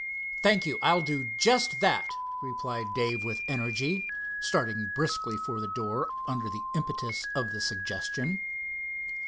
"Thank you, I'll do just that," replied Dave with energy, starting briskly for the door under the impetus of the suggestion.